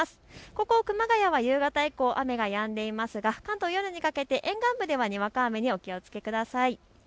ここ熊谷は夕方以降、雨がやんでいますが関東、夜にかけて沿岸部ではにわか雨にお気をつけください。